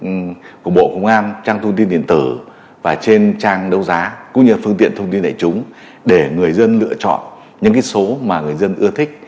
trang của bộ công an trang thông tin điện tử và trên trang đấu giá cũng như phương tiện thông tin đại chúng để người dân lựa chọn những số mà người dân ưa thích